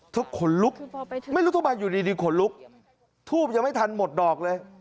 ขนลุกไม่รู้ทำไมอยู่ดีขนลุกทูบยังไม่ทันหมดดอกเลย